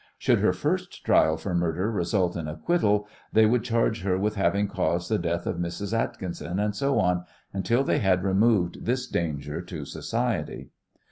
Should her first trial for murder result in acquittal they would charge her with having caused the death of Mrs. Atkinson, and so on, until they had removed this danger to society.